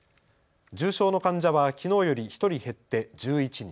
重症の患者はきのうより１人減って１１人。